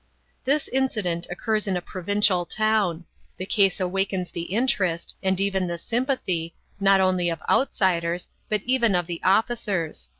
This incident occurs in a provincial town. The case awakens the interest, and even the sympathy, not only of outsiders, but even of the officers.